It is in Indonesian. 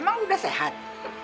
emang udah sehat